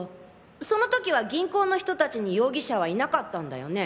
その時は銀行の人たちに容疑者はいなかったんだよね？